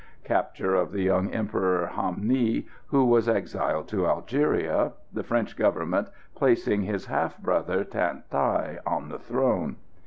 Capture of the young Emperor Ham Nghi, who was exiled to Algeria, the French Government placing his half brother Than Thai on the throne.